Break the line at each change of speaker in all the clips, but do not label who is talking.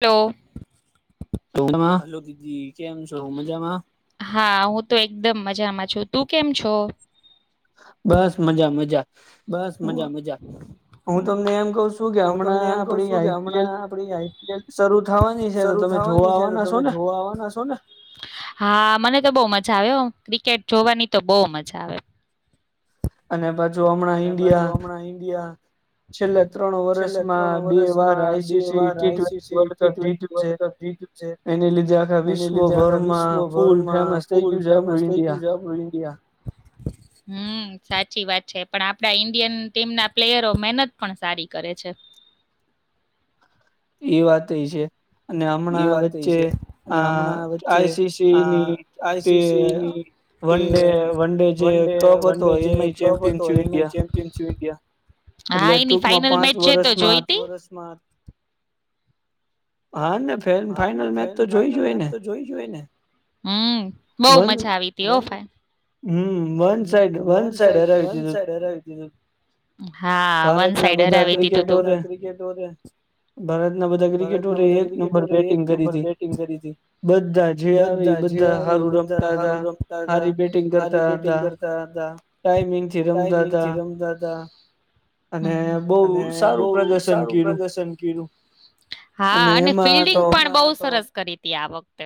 Hello hello, દીદી કેમ છો, મજામાં, હા, હું, તો એકદમ મજામાં છું, તું, કેમ છો
બસ, મજા, મજા
બસ મજા મજા હું તમને એમ કઉ છું કે હમણાં આપ આપણી આઇપીએલ શરૂ થવાની છે તો તમે જોવા આવવાના છો ને, હા મને તો બ મા હા, હો ક્રિકેટ જોવાની તો બહ મજા આવે
અને બ
અને પાછું હમણાં ઈન્ડિયા છેલ્લા ત્રણ વર્ષમાં બે વાર I C C T twenty world cup જીત્યું છે એની લીધે આખા વિશ્વભરમાં ફૂલ ફેમસ થઈ ગયું છે આપડું ઈન્ડિયા. હમ્મ સા છી વાચ પણ આપડા ઈન્ડિયન ટીમ ના પ્લેયરો મહેનત પણ સારી કરે છે
એ વાત થઈ છે
એ વાત છે અને હમણાં વચ્ચે આ આઈસીસીની વે વન ડે જે ટોપ હતો એમાં ચેમ્પિયનીી ગયા હા એની ફાઈનલ મેચ છે તો જોઈતી
હા ને ફાાઈનલ મેચ તો જોઈજ હોય ને
હમ બહુ મજા આવી હતી ઓ ભાઈ બધ હારું રમતા હતા હારી બેટ સારુંશન કર પણ સરસ કરી હતી આ વખતે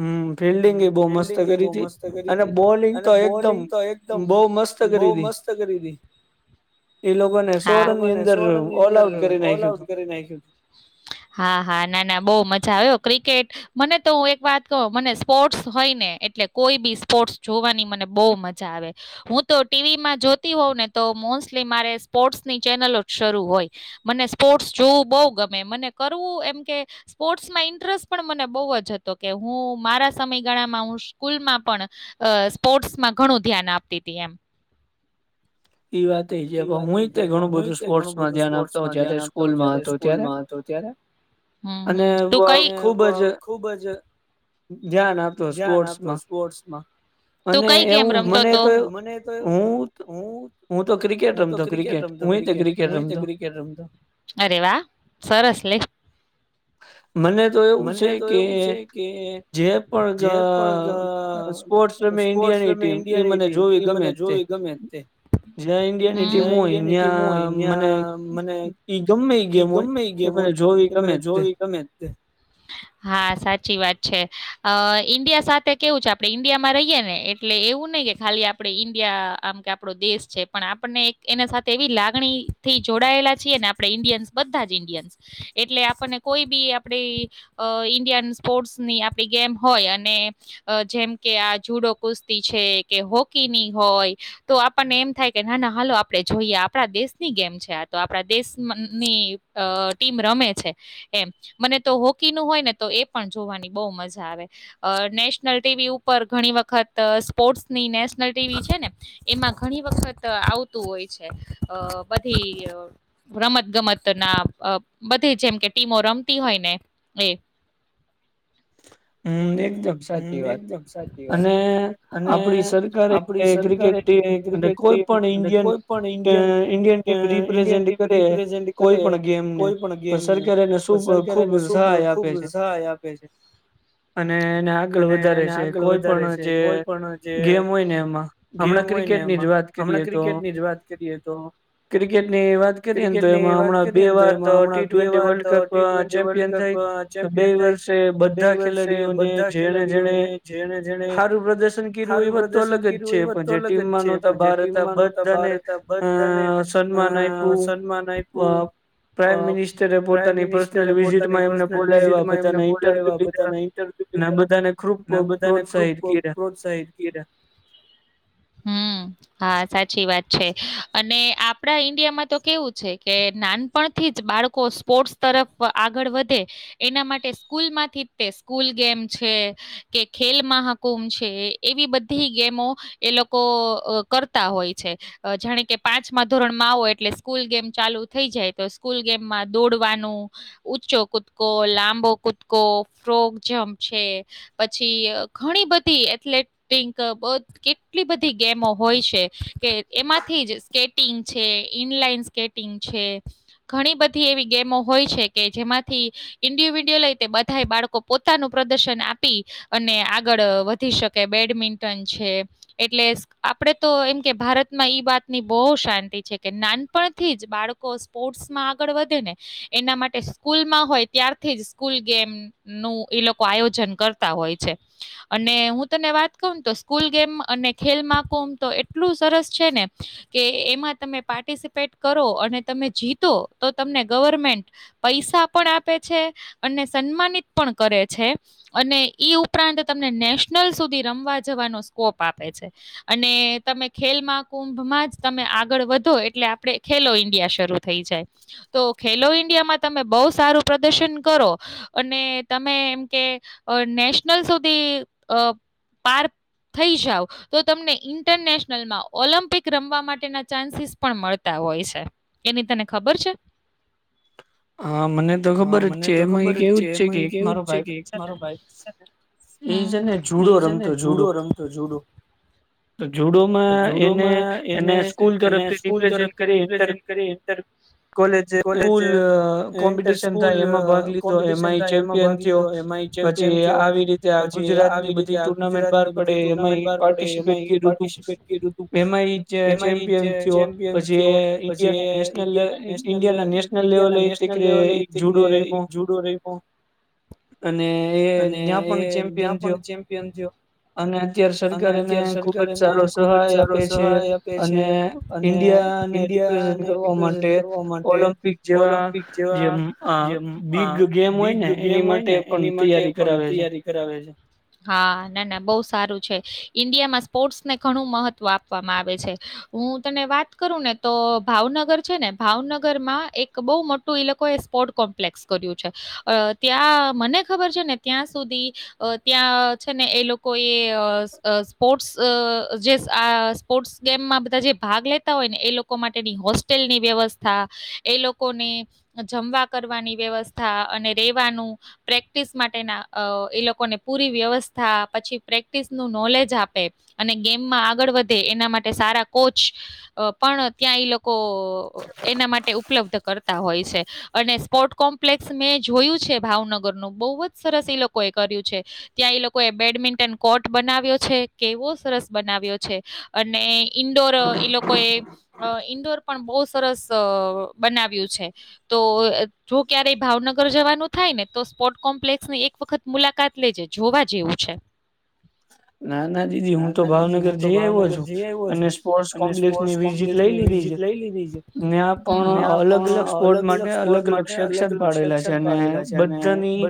હમ ફિલ્ડિંગ એ બહ મસ્ત કરી હતીી અને બોલિંગ
ંબોલિંગ તો એકદમ બોવ મસ્ત કરી એ લોકોને સો રન ની અંદર ઓલ આઉટ કરી નાખ્યું તું હા હાં ના ના બજા આવે હો ટ મને તો હું એક વાત કું મને સ્પોર્ટ્સ હોય ને એટલે કોઈ બી સ્પોર્ટ જોવાની મને બહુ મજા આવે હું તો ટીવીમાં જોતી હોઉં ને તો મોસ્ટલી મારે સ્પોર્ટ્સની ચેનલો જ શરૂુ હોય મને સ્પોર્ટ્સ જોવું બહુ ગમે મને કરવું એમ કે સ્પોર્ટ્સમાં ઇન્ટરેસ્ટ પણ મને બહુ જ હતો કે હું મારા સમયગાળામાં હું સ્કૂલમાં પણ અ સ્પોર્ટ્સમાં ઘણું ધ્યાન આપતી હતી એમ એ વાત હું ઘણું બધું સ્પોર્ટ ધ્યાન આપતો સ્કૂલમાં હતો ત ખુબ જ ધન આપટ રમતો્રટ રતો રતો વા
મને તો એવું છે કે જે પણ સ્પોર્ટ્સ રમે ઈન્ડિયાની ટીમ એ મને જોવી ગમે તે જ્યાં ઈન્ડિયાની ટીમ હોય ત્યાં મને ઈ ગમે ગેમ હોય એ મને જોવી ગમે
હોવી ગમે હા સાચી વાત છે અ ઈન્ડિયા સાથે કેવું છે આપડે ઈન્ડિયા માં રહીયે ને એટલે એવું નઈ કે ખાલી આપડે ઈન્ડિયા આમ કે આપડો દેશ છે પણ આપણને એના સાથે એવી લાગણી થી જોડાયેલા છીએ ને આપડે ઈન્ડિયન્સ બધા જ ઇન્ડિયન્સ એટલે આપણને કોઈ બી આપડી ઈન્ડિયન સ્પોર્ટ્સ ની આપડી ગેમ હોય અને જેમ કે આ જુડો કુસ્તી છે કે હોકીની હોય તો આપણને એમ થાય કે ના ના હાલો આપણે જોઈએ આપણા દેશની ગેમ છે આ તો આપણા દેશની ટીમ રમે છે એમ મને તો હોકી ન હોય ને તો એ પણ જોવાની બહુ મજા આવે અ નેશનલ ટીવી ઉપર ઘણી વખત સ્પોર્ટ્સની નેશનલ ટીવી છે ને એમાં ઘણી વખત આવતું હોય છે અ બધી રમત ગમત ના બધી જેમ કે ટીમો રમ હોય ને એ
હમ એક
હમ એકદમ સાચી વાત અને આપડી સરકારે ક્રિકેટ ટી અને કોઈ પણ ડિય ન્ડિયન ટ રિપ્રેઝ કરે કોઈ પણ ગેમને સરક એને ખુબ સહાય આપે છે
હ આગળ વધારે છે. કોઈ પણ જે ગેમ હોય ને એમાં હમણાં ક્રિકેટની જ વાત કરીએ, તો ક્રિકેટની વાત કરીએ, ને તો એમાં હમણાં બે વાર તો T twenty world cup champion થાય તો બે વર્ષે બધા ખેલાડીઓને જે જેણે જેણે સારું પ્રદર્શન કર્યું. એ વાત તો અલગ જ છે. પણ જે ટીમમાં નહોતા બહાર હતા બધાને અ સન્માન આપ્યું પ્રાઈમ મિનિસ્ટરે પોતાની પર્સનલ વિઝિટમાં એમને બોલાવ્યા બધાના ઈન્ટરવ્યુ લીધા. ના બ
અને બધાને ખુબ પ્રોત્સાહિત કર્યા. હા, સાચી વાત છે. અને આપડા ઈન્ડિયામાં તો કેવું છે. કે નાનપણથી જ બાળકો સ્પોર્ટ્સ તરફ આગળ વધે એના માટે સ્કૂલમાંથી તે સ્કૂલ ગેમ છે કે ખેલમાં હાકુંમ છે. એવી બધી ગેમો એ લોકો અહ કરતા હોય છે. અહ જાણે કે પાંચમા ધોરણમાં આવો એટલે સ્કૂલ ગેમ ચાલુ થઈ જાય છે. પછી અહ ઘણી બધી એથ્લેટક ટિંગ ક બ કેટલી બધી ગેમો હોય છે કે એમાંથી જ સ્કેટિંગ છે, ઇનલાઈન સ્કેટિંગ છે. ઘણી બધી એવી ગેમો હોય છે કે જેમાંથી ઇન્ડિવિડ્યુઅલ લઈ તે બધા બાળકો પોતાનું પ્રદર્શન આપી અને આગળ અહ વધી શકે બેડમિન્ટન છે. એટલે આપણેે તો એમ કે ભારતમાં વાતની બહુ શાંતિ છે, કે નાનપણથી જ બાળકો સ્પોર્ટ્સમાં આગળ વધે ને એના માટે સ્કૂલમાં હોય ત્યારથી, જ સ્કૂલ ગેમનું ઈ લોક તો આયોજન કરતા હોય છે. અને હું તને વાત કું ને તો સ્કૂલ ગેમ અને ખેલ મહકૂમ તો એટલું સરસ છે, ને કે એમાં તમે પાર્ટિસિપેટ કરો અને તમે જીતો તો તમને ગવર્મેન્ટ પૈસા પણ આપે છે અને સન્માનિત પણ કરે છે. અને ઉપરાંત તમને નેશનલ સુધી રમવા જવાનો સ્કોપ આપે છે. અને તમે ખેલમાંજ કુંભમાં જ તમે આગળ વધો એટલે આપણે ખેલો ઈન્ડિયા શરૂ થઈ જાય તો, ખેલો ઈન્ડિયામાં તમે બહુ સારું પ્રદર્શન કરો અને તમે એમ કે અહ નેશનલ સુધી અહ પાર થઈ જાવ તો, તમને ઇન્ટરનેશનલમાં ઓલિમ્પિક રમવા માટેના ચાન્સીસ પણ મળતા હોય છે. એની તને ખબર છે?
હા, મને તો ખબર જ છે. એમાં એક એવું જ છે કે, એક મારો ભાઈ
મારો ભાઈ છે ને એ છે ને જુડો રમતો જુડો. તો જુડોમાં એને એને સ્કૂલ તરફથી ડિપ્રેશન કરી ઇન્ટર કોલેજ જે
લુઆ કોમ્પિટશન થાય. એમાં ભાગ લીધો એમાં ચેમ્પિયન થયો. પછી, આવી રીતે આ ગુજરાતની બધી ટુર્નામેન્ટ બહાર પડે એમાં પાર્ટિસિપેટ કરું તું. એમાં ઈ ચે-ચેમ્પિયન થયો પછી એ ઇન્ડિયા નેશનલ લે ઇન્ડિયાના
ઈન્ડિયા ના નેશનલ લેવલે તે ક્રે ઈ જુડો રહીવો અને એ ન્યા પણ
જેવા જે અ બિગ ગેમ હોય ને એની માટે
એની માટે પણ તૈયારી કરાવે છે. હા, ના, ના, બઉ સારું છે. ઈન્ડિયામાં સ્પોર્ટ્સ ને ઘણું મહત્વ આપવામાં આવે છે. હું તને વાત કરું ને તો ભાવનગર છે, ને ભાવનગર માં એક બહુ મોટું ઈ લોકોએ સ્પોર્ટ કોમ્પ્લેક્સ કર્યું છે. ત્યાં, મને ખબર છે ને ત્યાં સુધી ત્યાં છે. ને એ લોકો એ સ્પોર્ટ્સ જે આ સ્પોર્ટ્સ ગેમમાં બધા જે ભાગ લેતા હોય, ને એ લોકો માટેની હોસ્ટેલની વ્યવસ્થા એ લોકોને જમવા કરવાની વ્યવસ્થા અને રેવાનું પ્રેક્ટિસ માટેના એ લોકોને પૂરી વ્યવસ્થા પછી, પ્રેક્ટિસનું નોલેજ આપે અને ગેમમાં આગળ વધે એના માટે સારા કોચ પણ ત્યાં એ લોકો એના માટે ઉપલબ્ધ કરતા હોય છે, અને સ્પોર્ટ કોમ્પ્લેક્સ મેં જોયું છે. ભાવનગર બહુ જ સરસ લોકો એ કર્યું છે. ત્યાં, લોકોએ બેડમિન્ટન કોર્ટ બનાવ્યો છે કેવો સરસ બનાવ્યો છે. અને ઇન્ડોર ઈ લોકો એ અ ઈન્ડોર પણ બહુ સરસ બનાવ્યું છે. તો જો ક્યારેય ભાવનગર જવાનું થાય ને તો પોર્ટ કોમ્પ્લેક્સ ની એક વખત મુલાકાત લેજે જોવા જેવું છે.
ના ના દીદી હું તો ભાવનગર જઈ આવ્યો છું. અને સ્પોર્ટ્સ કોમ્પ્લેક્સ ની વિઝિટ લઈ લીધી છે. ત્યાં પણ અલગ અલગ સ્પોર્ટ માટે અલગ અલગ સેક્શન પાડેલા છે. અને બધાની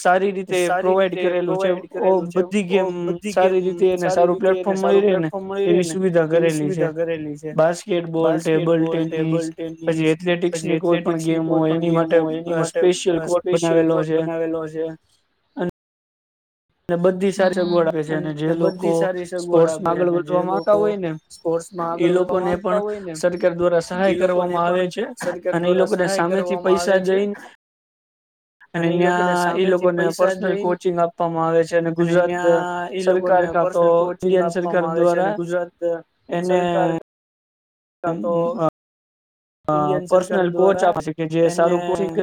સારી રીતે પ્રોવાઈડ કરેલું છે. ઓ બધી ગેમ હમ સારી રીતે એને સારું પ્લેટફોર્મ મળી રહે ને એવી સુવિધા કરેલી છે. બાસ્કેટબોલ ટેબલ ટેનિસ પછી, એથ્લેટિકસની કોઈ પણ ગેમ હોય એની માટે સ્પેશિયલ કોટ બનાવેલો
બનાવેલો છે.
અને બધી સાચ અગવડ આવે છે અને જે લોકો સ્પોર્ટ્સમાં આગળ વધવા માંતા હોય ને ઈ લોકોને પણ સરકાર દ્વારા સહાય કરવામાં આવે છે અને ઈ લોકોને સામે થી પૈસા દઈ અને ન્યાં ઈ લોકોને પર્સનલ કોચિંગ આપ મારે
અને ન્યાં ઈ લોકોને પર્સનલ કોચિંગ આપવામાં આવે છે અને ગુજરાત સરકાર
હમ્મ હ અ.
ઇન્ડિયન સરકાર દ્વારા એને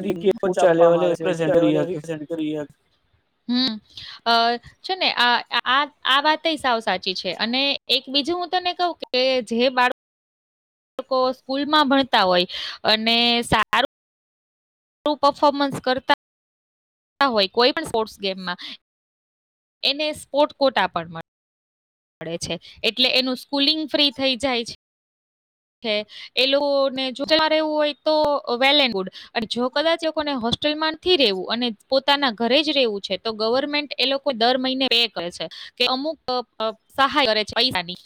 [inaudible] ચ આપવામાં આવે છે. છે ને આ આ આ વાત સાવ સાચી છે અને એક બીજું હું તને કઉ કે જે બાળક કો સ્કૂલમાં ભણતા હોય અને સારું રું પફોર્મન્સ કરતા હોય કોઈ પણ સ્પોર્ટ્સ ગેમમાં એને સ્પોર્ટકોટા પણ મળે મળે છે એટલે એનું સ્કૂલિંગ ફ્રી થઈ જાય છે. એ લોકોને જો રહેવું હોય તો વેલ એન્ડ ગુડ અને જો કદાચ એ લોકોને હોસ્ટેલમાં નથી રેવું અને પોતાના ઘરે જ રેવું છે તો ગવર્મેન્ટ એ લોકો દર મહિને પે કરે છે કે અમુક સહાય કરે છે, પૈસાની,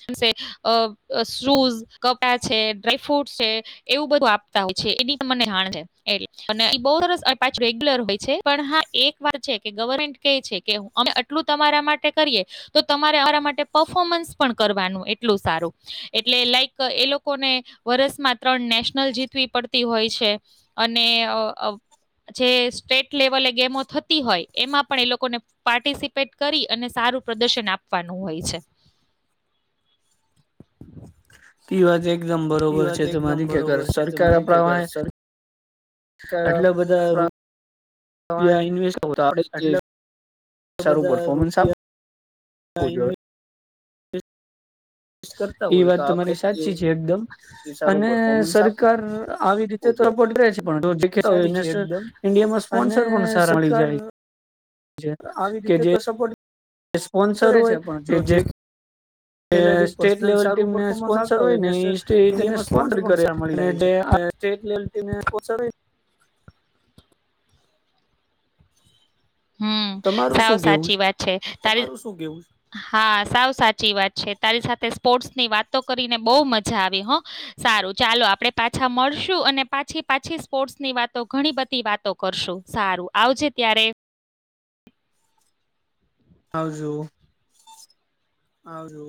અ શૂઝ કપા છે ડ્રાયફ્રૂટ છે એવું બધું આપતા હોય છે એની મને હા એટલે બ સરસ પાછ રેગ્યુલર હોય છે પણ હા એક વાર છે કે ગવર્મેન્ટ કે છે કે અમે આટલું તમારા માટે કરીએ તો તમારે અમારા માટે પફોમન્સ પણ કરવાનું એટલું સારું એટલે લયક એ લોકોને વરસમાં ત્રણ નેશનલ જીતવી પડતી હોય છે અને જે સ્ટેટ લેવલે ગેમો થતી હોય એમાં પણ એ લોકોને પાર્ટિસિપેટ કરી અને સારું પ્રદર્શન આપવાનું હોય છે.
તે વાજે એકદમ બરોબર છે તે મારી ખક સરકાર આપણા આટલા બધા રૂપિયા ઇન્વેસ્ટ તો આપડ સારું પરફોર્મન્સ આપ જોઈએ. એ વાત તમારી સાચી છે એકદમ અને સરકાર આવી રીતે તો સપોર્ટ કરે છે પણવેને ઇન્ડિયામાં સ્પોન્સર પણ સારા મળી જાય.
અી રીતે તો સભ
સ્પોન્સર હોય એ જે
ખેલાડી પર્નલ સારું પર્ફોર્મન્સ આવતા હોયને ન્યાપોન્ મળી છે. એ પછ હમ સાવ સાચી વાત છે તારે શું શું કેવું હા સાવ સાચી વાત છે તારી સાથે સ્પોર્ટ્સ ની વાતો કરીને બહુ મજા આવી હો સારું ચાલો આપડે પાછા મળશું અને પાછી પાછી સ્પોર્ટ્સ ની વાતો ઘણી બધી વાતો કરશું સારું આવજે ત્યારે [inaudible]
હજ
આવ જો.